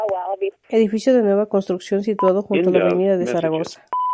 Edificio de nueva construcción, situado junto a la Avenida de Zaragoza.